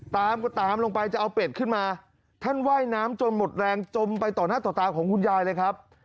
ตามก็ตามลงไปจะเอาเป็ดขึ้นมาท่านว่ายน้ำจนหมดแรงจมไปต่อหน้าต่อตาของคุณยายเลยครับ